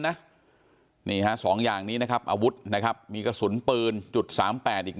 นี่ฮะสองอย่างนี้นะครับอาวุธนะครับมีกระสุนปืนจุดสามแปดอีก